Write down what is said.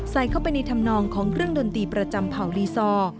ใส่เข้าไปในธรรมนองของเครื่องดนตรีประจำเผ่าลีซอร์